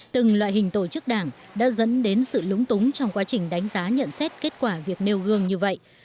từng loại hình tổ chức đảng đã dẫn đến sự lúng túng trong quá trình đánh giá nhận xét kết quả việc nêu gương như vậy